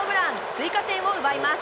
追加点を奪います。